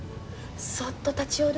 そっと立ち寄る